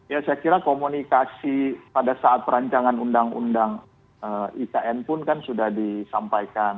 ya saya kira komunikasi pada saat perancangan undang undang ikn pun kan sudah disampaikan